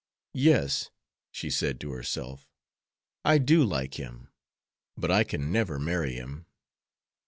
"Yes," she said to herself, "I do like him; but I can never marry him.